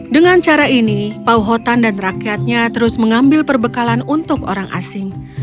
dengan cara ini pauhotan dan rakyatnya terus mengambil perbekalan untuk orang asing